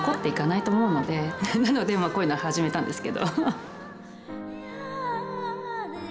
なのでまぁこういうの始めたんですけど。